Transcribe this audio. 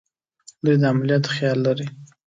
دوی د عملیاتو خیال لري.